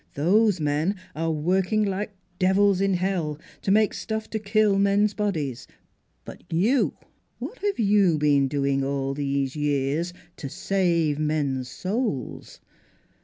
Those men are working like devils in hell to make stuff to kill men's bodies. ... But you what have you been doing all these years to save men's souls?